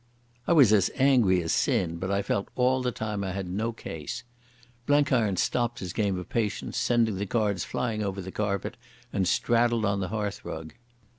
'" I was as angry as sin, but I felt all the time I had no case. Blenkiron stopped his game of Patience, sending the cards flying over the carpet, and straddled on the hearthrug.